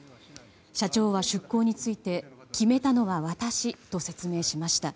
社長は出航について決めたのは私と説明しました。